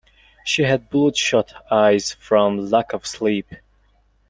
She had bloodshot eyes from lack of sleep.